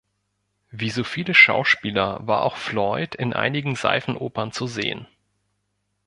Wie so viele Schauspieler war auch Floyd in einigen Seifenopern zu sehen.